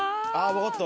分かった。